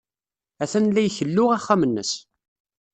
Atan la ikellu axxam-nnes.